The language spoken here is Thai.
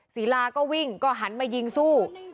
ศิลาก็วิ่งก็หันมายิงสู้